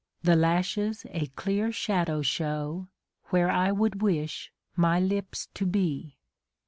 The lashes a clear shadow show Where I would wish my lips to be.